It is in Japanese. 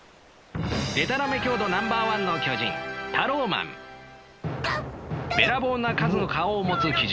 でたらめ強度ナンバーワンの巨人べらぼうな数の顔を持つ奇獣